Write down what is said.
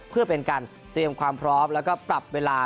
เพื่อเป็นการเตรียมความพร้อมแล้วก็ปรับเวลา